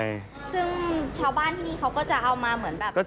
ใช่ซึ่งชาวบ้านที่นี่เขาก็จะเอามาเหมือนแบบ